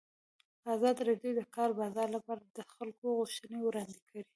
ازادي راډیو د د کار بازار لپاره د خلکو غوښتنې وړاندې کړي.